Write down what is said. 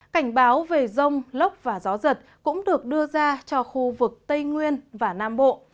cảnh báo về rông lốc và gió giật cũng được đưa ra cho khu vực tây nguyên và nam bộ